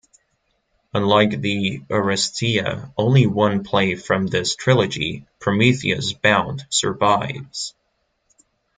Unlike the "Oresteia", only one play from this trilogy-"Prometheus Bound"-survives.